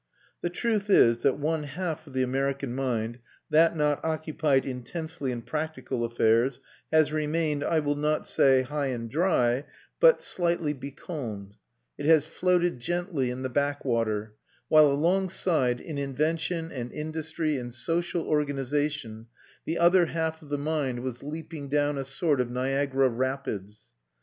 The truth is that one half of the American mind, that not occupied intensely in practical affairs, has remained, I will not say high and dry, but slightly becalmed; it has floated gently in the back water, while, alongside, in invention and industry and social organisation, the other half of the mind was leaping down a sort of Niagara Rapids.